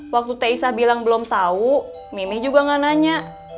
waktu t isa bilang belum tahu mimih juga tidak bertanya